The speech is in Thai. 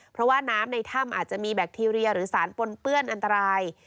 เพราะว่าน้ำในถ้ำอาจจะมีแบคทีเรียหรือสารปนเปื้อนอันตราย